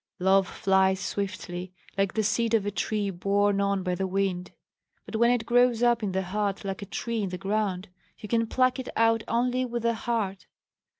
Love flies swiftly, like the seed of a tree borne on by the wind; but when it grows up in the heart like a tree in the ground, you can pluck it out only with the heart.